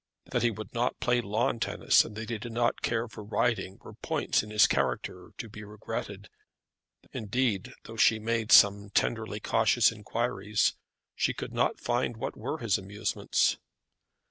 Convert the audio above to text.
That he would not play lawn tennis, and that he did not care for riding were points in his character to be regretted. Indeed, though she made some tenderly cautious inquiries, she could not find what were his amusements.